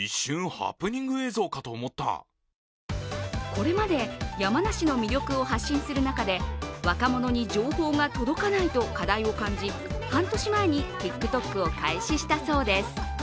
これまで山梨の魅力を発信する中で若者に情報が届かないと課題を感じ、半年前に、ＴｉｋＴｏｋを開始したということです。